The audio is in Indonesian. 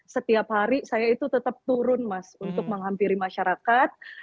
setiap hari saya itu tetap turun mas untuk menghampiri masyarakat